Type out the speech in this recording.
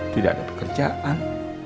tidak ada pekerjaan